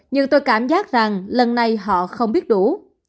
nhưng tôi cảm giác rằng lần này họ không biết đủ